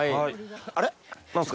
あれ？